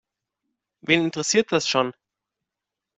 Wen interessiert das schon?